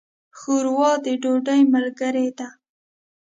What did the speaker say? ښوروا د ډوډۍ ملګرې ده.